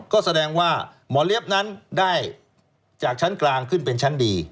ก็แสดงว่าหมอเล็บนั้นได้จากชั้นกลางขึ้นเป็นชั้นดี